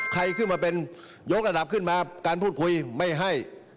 ใครขึ้นมาเป็นยกระดับขึ้นมาการพูดคุยไม่ให้